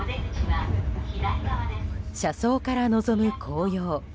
車窓から望む紅葉。